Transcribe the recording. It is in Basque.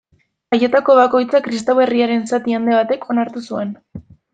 Haietako bakoitza kristau herriaren zati handi batek onartu zuen.